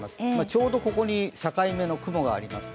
ちょうどここに境目の雲があります。